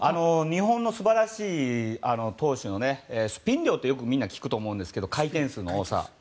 日本の素晴らしい投手のスピン量ってみんな聞くと思いますが回転数の多さ。